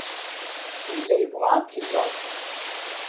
Yella yebɣa ad k-iẓer.